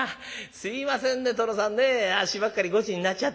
すいませんね殿さんねあっしばっかりごちになっちゃって。